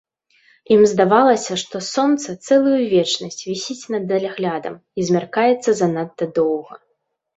Ім здавалася, што сонца цэлую вечнасць вісіць над даляглядам і змяркаецца занадта доўга.